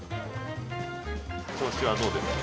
調子はどうですか？